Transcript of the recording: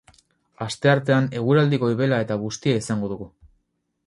Asteartean eguraldi goibela eta bustia izango dugu.